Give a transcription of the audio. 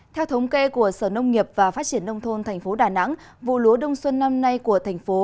theo thống kê của sở nông nghiệp và phát triển nông thôn thành phố đà nẵng vụ lúa đông xuân năm nay của thành phố